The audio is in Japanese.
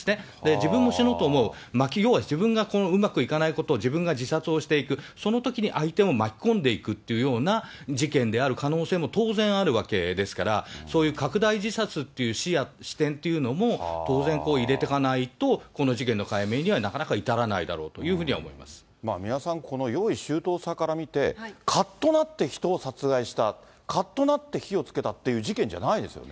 自分も死のうと思う、要は自分がうまくいかないことを自分が自殺をしていく、そのときに相手も巻き込んでいくっていうような事件である可能性も当然あるわけですから、そういう拡大自殺っていう視点というのも、当然入れてかないと、この事件の解明にはなかなか至らないだろうというふうには思いま三輪さん、この用意周到さから見て、かっとなって人を殺害した、かっとなって火をつけたっていう事件じゃないですよね。